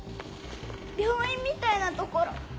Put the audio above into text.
病院みたいな所。